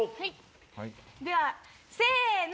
ではせの！